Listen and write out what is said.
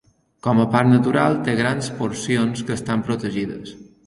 Com a parc natural té grans porcions que estan protegides.